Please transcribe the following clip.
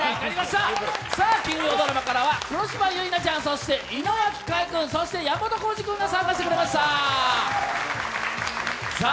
金曜ドラマからは黒島結菜ちゃん、そして井之脇海君山本耕史君が参加してくれました。